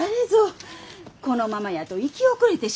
このままやと行き遅れてしまいますき。